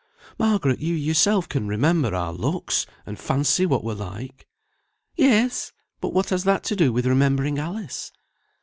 Margaret, you yourself can remember our looks, and fancy what we're like." "Yes! but what has that to do with remembering Alice?"